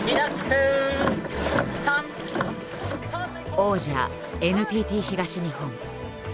王者ＮＴＴ東日本。